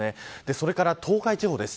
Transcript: それから東海地方です。